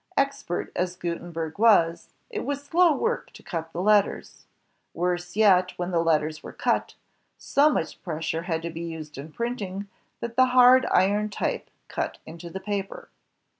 Expert as Gutenberg was, it was slow work to cut the letters. Worse yet, when the letters were cut, so much pressure had to be used in printing, that the hard iron type cut into the paper.